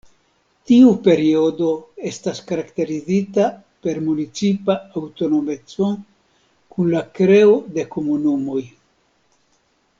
Tiu periodo estas karakterizita per municipa aŭtonomeco, kun la kreo de komunumoj.